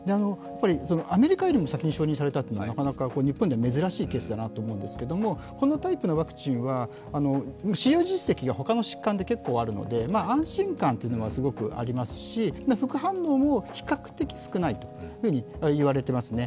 アメリカよりも先に承認されたというのはなかなか、日本では珍しいケースだなと思うんですけど、このタイプのワクチンは使用実績が他の疾患で結構あるので、安心感というのはすごくありますし副反応も比較的少ないと言われていますね。